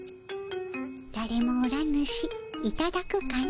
だれもおらぬしいただくかの。